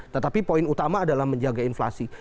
tetapi poin utama adalah menjaga inflasi